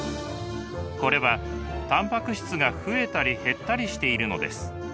これはタンパク質が増えたり減ったりしているのです。